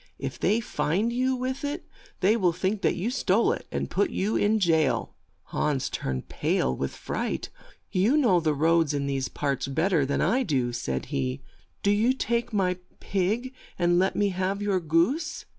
If they find you with it they will think that you stole it, and may put you in jail." Hans turned pale with fright. "You know the roads in these parts bet ter than I do," said he. "Do you take my pig and let me have your goose."